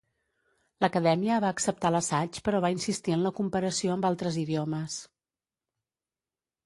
L'acadèmia va acceptar l'assaig però va insistir en la comparació amb altres idiomes.